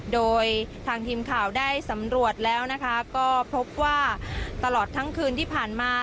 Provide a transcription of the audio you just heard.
โดยทางทีมข่าวได้สำรวจแล้วนะคะก็พบว่าตลอดทั้งคืนที่ผ่านมา